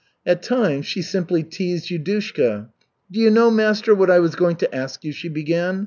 At times she simply teased Yudushka. "Do you know, master, what I was going to ask you?" she began.